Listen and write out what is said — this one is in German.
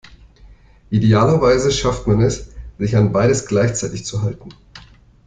Idealerweise schafft man es, sich an beides gleichzeitig zu halten.